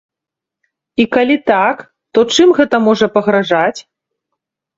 І калі так, то чым гэта можа пагражаць?